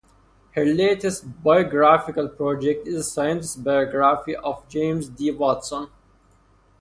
Her latest biographical project is a scientific biography of James D. Watson.